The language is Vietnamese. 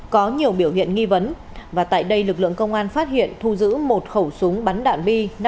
có nhiều biểu hiện nghi vấn và tại đây lực lượng công an phát hiện thu giữ một khẩu súng bắn đạn bi